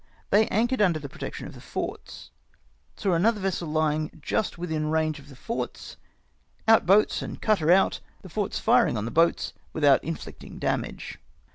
They anchored under the protec tion of the forts. Saw another vessel lying just within range of the forts; — out boats and cut her out, the forts firing on the boats without inflicting damage.